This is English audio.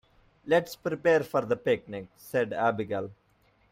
"Let's prepare for the picnic!", said Abigail.